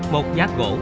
một giác gỗ